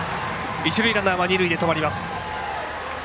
一塁ランナーは二塁で止まります。